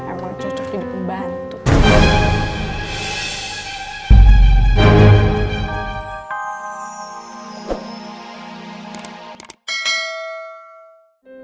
aku mau cucuk jadi pembantu